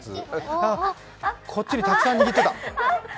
あっこっちにたくさん入ってた。